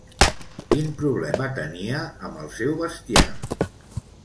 Quin problema tenia amb el seu bestiar?